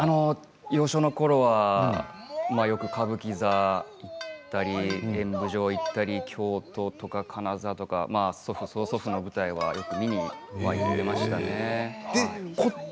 幼少のころはよく歌舞伎座だったり演舞場に行ったり京都とか金沢とか祖父、曽祖父の舞台はよく見に行っていましたね。